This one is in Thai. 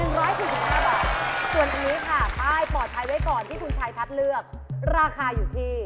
หนึ่งร้อยสิบห้าบาทส่วนอันนี้ค่ะป้ายพอใช้ไว้ก่อนที่คุณชายทัศน์เลือกราคาอยู่ที่